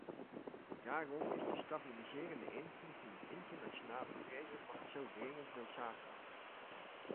Daarom is de stabiliserende invloed van een internationale vredesmacht zo dringend noodzakelijk.